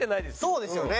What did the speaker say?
そうですよね。